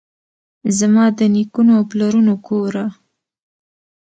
زما دنیکونو اوپلرونو کوره!